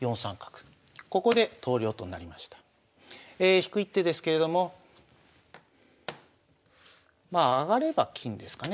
引く一手ですけれどもまあ上がれば金ですかね。